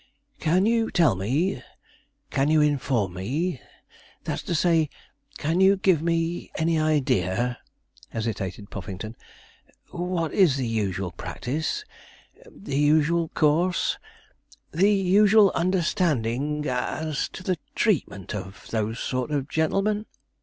'Can you tell me can you inform me that's to say, can you give me any idea,' hesitated Puffington, 'what is the usual practice the usual course the usual understanding as to the treatment of those sort of gentlemen?'